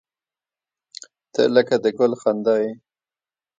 • ته لکه د ګل خندا یې.